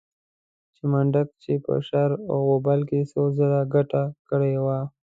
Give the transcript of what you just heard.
خو منډک چې په شر او غوبل کې څو ځله ګټه کړې وه.